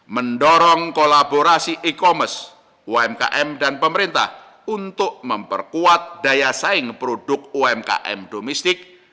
mendorong kolaborasi e commerce umkm dan pemerintah untuk memperkuat daya saing produk umkm domestik